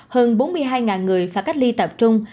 hơn bốn mươi hai người phải cách ly tập trung